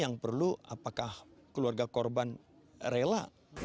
yang perlu apakah keluarga korban rela